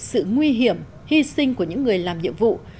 sự nguy hiểm hy sinh của những người làm nhiệm vụ